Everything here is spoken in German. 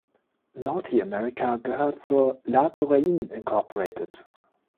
Naughty America gehört zur La Touraine, Inc.